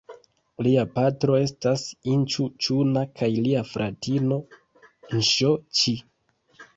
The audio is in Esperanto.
Lia patro estas Inĉu-ĉuna kaj lia fratino Nŝo-ĉi.